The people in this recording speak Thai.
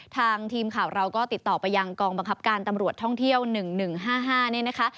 ทางทีมข่าวเราก็ติดต่อไปยังกองบังคับการตำรวจท่องเที่ยว๑๑๕๕เนี่ยนะคะ